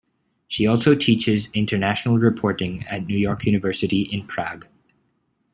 She also teaches international reporting at New York University in Prague.